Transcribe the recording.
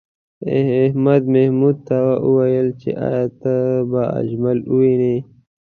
احمد محمود ته وویل چې ایا ته به اجمل ووینې؟